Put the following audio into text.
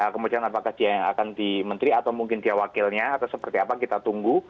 kemudian apakah dia akan di menteri atau mungkin dia wakilnya atau seperti apa kita tunggu